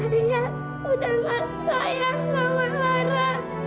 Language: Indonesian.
ayah udah gak sayang sama lara